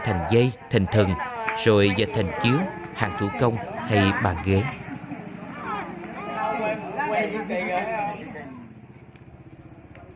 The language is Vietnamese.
thành dây thành thần rồi và thành chiếu hạng thủ công hay bàn ghế à à à à ừ ừ